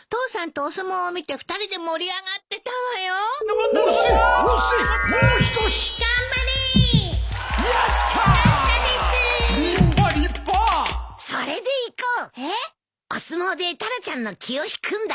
お相撲でタラちゃんの気を引くんだ。